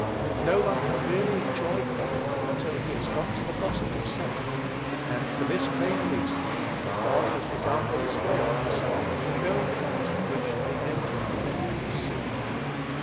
No one can really enjoy God until he has got to the bottom of self, and for this plain reason, that God has begun the display of himself at the very point at which the end of flesh is seen.